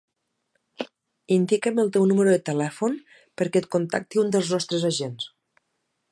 Indica'm el teu número de telèfon perquè et contacti un dels nostres agents.